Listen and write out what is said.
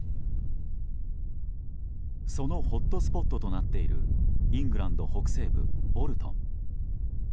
そのホットスポットとなっているイングランド北西部ボルトン。